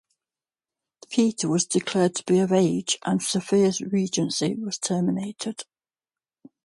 Peter was declared to be of age and Sophia's regency was terminated.